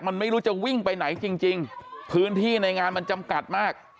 มันไม่รู้จะวิ่งไปไหนจริงพื้นที่ในงานมันจำกัดมาก